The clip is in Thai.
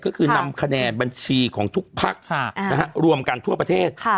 ก็คือนำคะแนนบัญชีของทุกพักรวมกันทั่วประเทศ